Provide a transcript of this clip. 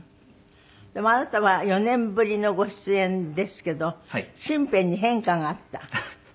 でもあなたは４年ぶりのご出演ですけど身辺に変化があった？